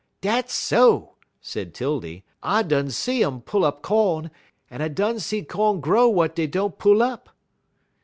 "Dat's so," said 'Tildy. "I done see um pull up co'n, en I done see co'n grow w'at dey don't pull up."